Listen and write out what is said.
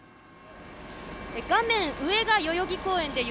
画面上が代々木公園です。